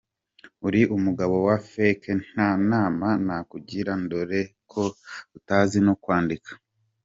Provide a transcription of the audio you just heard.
uri umugabo wa fake nta nama nakugira, ndore ko utazi no kwandika.